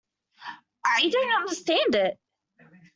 I don't understand it.